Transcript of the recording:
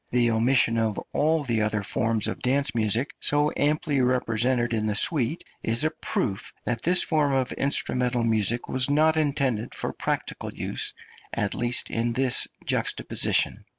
The omission of all the other forms of dance music, so amply represented in the suite, is a proof that this form of instrumental music was not intended for practical use, at least in this juxtaposition.